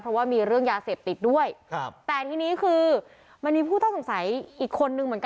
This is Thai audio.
เพราะว่ามีเรื่องยาเสพติดด้วยครับแต่ทีนี้คือมันมีผู้ต้องสงสัยอีกคนนึงเหมือนกัน